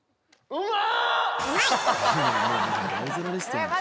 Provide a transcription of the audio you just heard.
うわ！